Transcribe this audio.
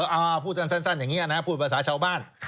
เอาพูดสั้นอย่างนี้นะพูดภาษาชาวบ้าน